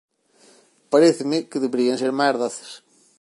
Paréceme que deberían ser máis doces.